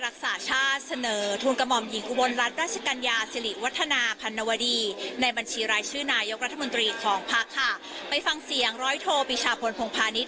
ของภักดิ์ค่ะไปฟังเสียงร้อยโทรบิชาพลพงภานิษย์